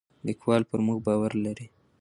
لیکوال پر موږ باور لري.